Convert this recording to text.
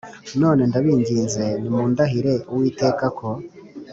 None ndabinginze nimundahire Uwiteka ko